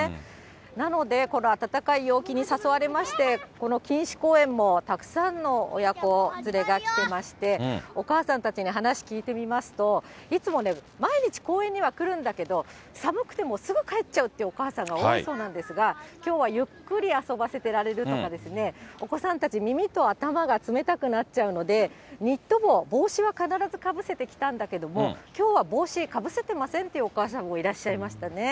なので、この暖かい陽気に誘われまして、この錦糸公園もたくさんの親子連れが来てまして、お母さんたちに話聞いてみますと、いつもね、毎日、公園には来るんだけど、寒くてすぐ帰っちゃうっていうお母さんが多いそうなんですが、きょうはゆっくり遊ばせてられるですとかね、お子さんたち、耳と頭が冷たくなっちゃうので、ニット帽、帽子は必ずかぶせてきたんですけど、きょうは帽子かぶせてませんっていうお母さんもいらっしゃいましたね。